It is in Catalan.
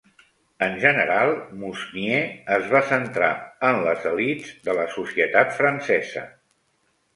En general, Mousnier es va centrar en les elits de la societat francesa.